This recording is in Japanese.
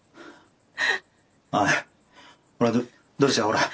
おいほらどうしたほら。